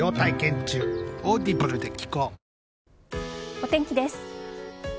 お天気です。